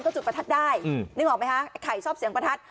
จุดประทัดได้นึกออกไหมคะไอ้ไข่ชอบเสียงประทัด